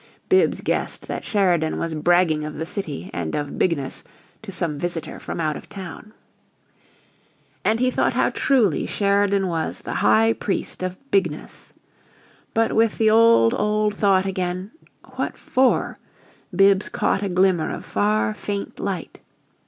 Bibbs guessed that Sheridan was bragging of the city and of Bigness to some visitor from out of town. And he thought how truly Sheridan was the high priest of Bigness. But with the old, old thought again, "What for?" Bibbs caught a glimmer of far, faint light.